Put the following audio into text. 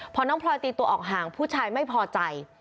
พอน้องพลอยตีตัวออกห่างผู้ชายไม่พอใจ